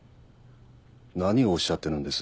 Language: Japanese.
何をおっしゃってるんです？